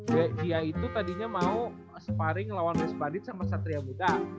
kayak dia itu tadinya mau sparring lawan res bandit sama satria muda